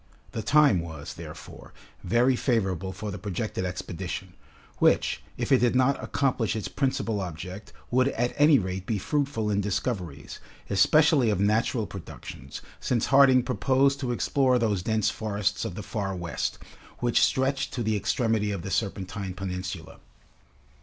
The time was, therefore, very favorable for the projected expedition, which, if it did not accomplish its principal object, would at any rate be fruitful in discoveries, especially of natural productions, since Harding proposed to explore those dense forests of the Far West, which stretched to the extremity of the Serpentine Peninsula.